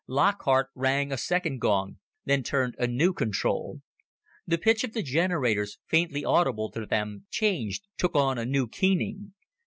Lockhart rang a second gong, then turned a new control. The pitch of the generators, faintly audible to them, changed, took on a new keening.